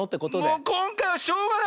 もうこんかいはしょうがない。